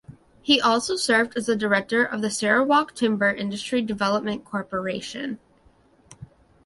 He also served as the Director of the Sarawak Timber Industry Development Corporation.